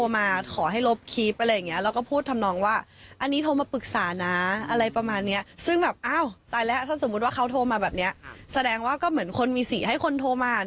มันเป็นอุบัติเหตุแล้วกันอะไรอย่างนี้ค่ะ